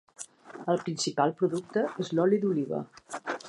El principal producte és l'oli d'oliva.